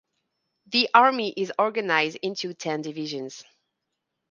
The Army is organized into ten divisions.